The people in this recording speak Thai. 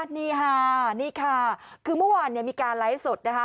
นี่ค่ะนี่ค่ะคือเมื่อวานมีการไลฟ์สดนะคะ